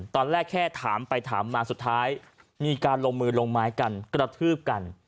ตอนแรกแค่ถามไปถามมาสุดท้ายมีการลงมือลงไม้กันกระทืบกัน